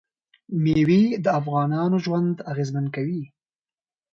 مېوې د افغانانو ژوند اغېزمن کوي.